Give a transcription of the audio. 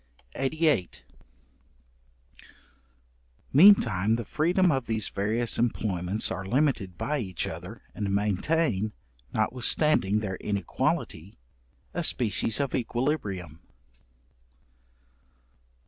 §88. Meantime the freedom of these various employments are limited by each other, and maintain, notwithstanding their inequality, a species of equilibrium.